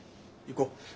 行こう。